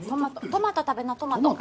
トマト食べなトマト。